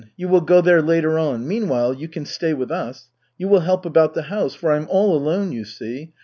You will go there later on. Meanwhile you can stay with us. You will help about the house, for I'm all alone, you see.